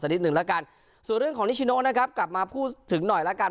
นิดหนึ่งแล้วกันส่วนเรื่องของนิชิโนนะครับกลับมาพูดถึงหน่อยละกัน